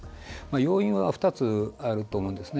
要因は２つあると思います。